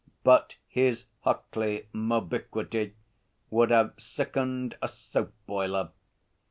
But his Huckley 'Mobiquity' would have sickened a soap boiler.